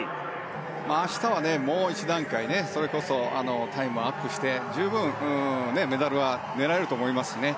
明日はもう一段階タイムをアップして十分、メダルは狙えると思いますね。